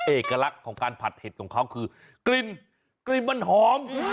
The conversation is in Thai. เอกลักษณ์ของการผัดเห็ดของเขาคือกลิ่นกลิ่นมันหอม